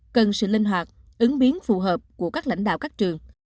cần sự linh hoạt ứng biến phù hợp của các lãnh đạo các trường